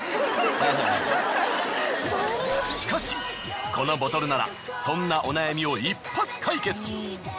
しかしこのボトルならそんなお悩みを一発解決。